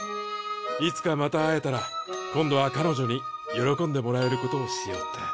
いつかまた会えたら今度はかのじょに喜んでもらえることをしようって。